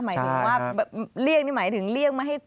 หมายถึงว่าเลี่ยงไม่ให้ชนต้นมะพลับ